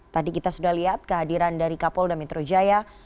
tadi kita sudah lihat kehadiran dari kapolda metro jaya